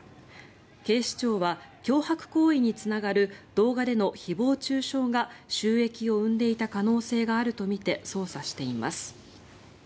警視庁は、脅迫行為につながる動画での誹謗・中傷が収益を生んでいた可能性があるとみて捜査しています。